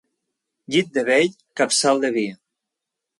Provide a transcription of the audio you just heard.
Llit de vell, capçal de vi.